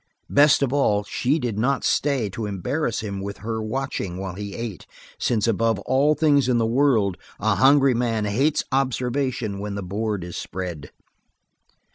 Best of all, she did not stay to embarrass him with her watching while he ate, since above all things in the world a hungry man hates observation when the board is spread.